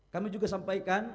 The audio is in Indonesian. kami juga sampaikan